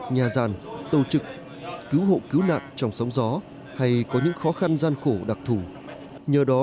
nhà gian tàu trực cứu hộ cứu nạn trong sóng gió hay có những khó khăn gian khổ đặc thủ nhờ đó